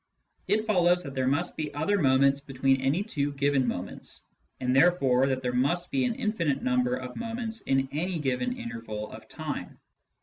It follows that there must be other moments between any two given moments, and therefore that there must be an infinite number of moments in any given interval of time.